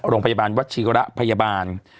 โรงพยาบาลวัชิระพยาบาล